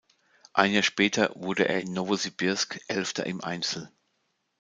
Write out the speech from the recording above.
Ein Jahr später wurde er in Nowosibirsk Elfter im Einzel.